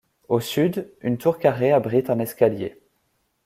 Au sud, une tour carrée abrite un escalier.